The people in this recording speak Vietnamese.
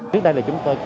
trước đây là chúng tôi